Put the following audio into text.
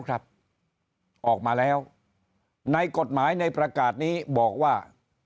ออกมาแล้วในกฎหมายในประกาศนี้บอกว่า